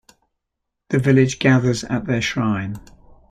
The village gathers at their shrine.